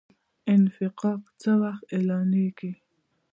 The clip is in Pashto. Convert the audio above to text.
انفکاک څه وخت اعلانیږي؟